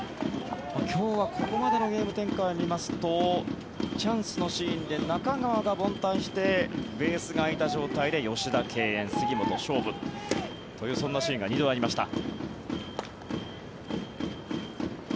今日はここまでのゲーム展開を見ますとチャンスのシーンで中川が凡退してベースが空いた状態で吉田、敬遠杉本、勝負というそんなシーンが２度ありました。